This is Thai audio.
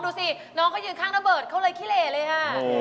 ดูสิน้องเขายืนข้างน้ำเบิร์ดเขาเลยคิเลเลยค่ะ